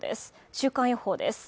週間予報です